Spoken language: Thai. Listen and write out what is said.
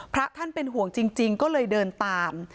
พระท่านเป็นห่วงจริงก็เลยเดินตาม